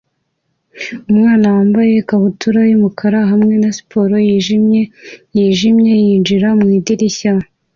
Umwana wambaye ikabutura yumukara hamwe na siporo yijimye yijimye yinjira mu idirishya